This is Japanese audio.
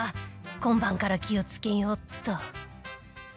今晩から気をつけよっと。